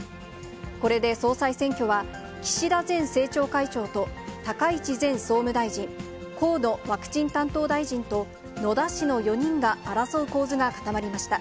これで総裁選挙は、岸田前政調会長と高市前総務大臣、河野ワクチン担当大臣と野田氏の４人が争う構図が固まりました。